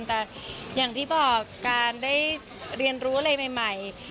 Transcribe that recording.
แต่อย่างที่บอกการได้เรียนรู้อะไรใหม่